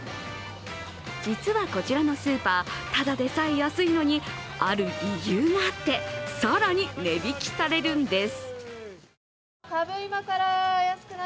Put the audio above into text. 実はこちらのスーパー、ただでさえ安いのに、ある理由があって更に値引きされるんです。